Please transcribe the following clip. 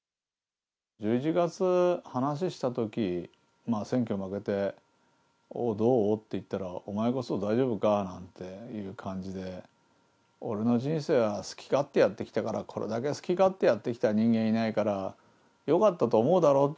１１月、話したとき、選挙に負けて、おう、どう？って言ったら、お前こそ大丈夫か？なんていう感じで、俺の人生は好き勝手やってきたから、これだけ好き勝手やってきた人間いないからよかったと思うだろ？